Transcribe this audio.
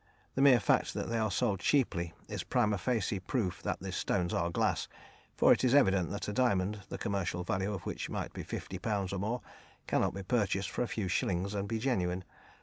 The mere fact that they are sold cheaply is primâ facie proof that the stones are glass, for it is evident that a diamond, the commercial value of which might be £50 or more, cannot be purchased for a few shillings and be genuine.